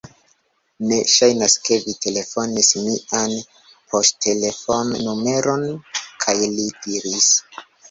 Ne. Ŝajnas ke vi telefonis mian poŝtelefon-numeron. kaj li diris: